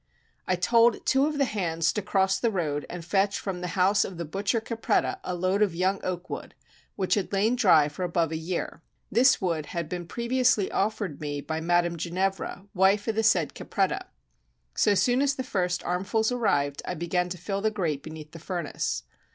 I told two of the hands to cross the road, and fetch from the house of the butcher Capretta a load of young oak wood, which had lain dry for above a year; this wood had been previously offered me by Madame Ginevra, wife of the said Capretta. So soon as the first armfuls arrived, I began to fill the grate beneath the furnace.